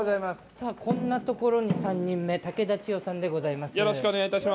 こんなところに３人目竹田知世さんでございます。